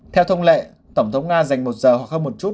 theo thông lệ tổng thống nga dành một giờ hoặc hơn một chút